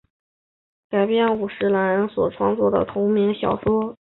该剧改编自五十岚贵久所创作的同名小说。